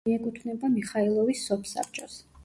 მიეკუთვნება მიხაილოვის სოფსაბჭოს.